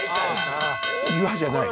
岩じゃない？